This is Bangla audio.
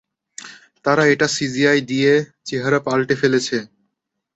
তারা এটা সিজিআই দিয়ে চেহারা পাল্টে ফেলেছে।